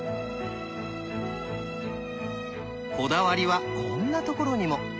こだわりはこんなところにも。